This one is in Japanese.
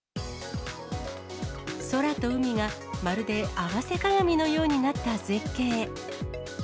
空と海が、まるで合わせ鏡のようになった絶景。